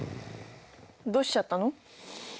どうしちゃったの？